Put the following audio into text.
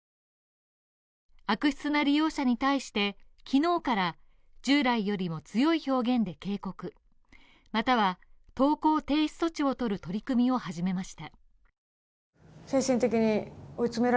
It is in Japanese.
悪質な利用者に対して、昨日から、従来よりも強い表現で警告または投稿停止措置を取る取り組みを始めました。